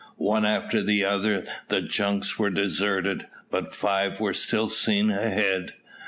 One after the other the junks were deserted, but five were still seen ahead.